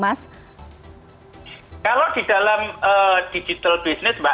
kalau di dalam digital business mbak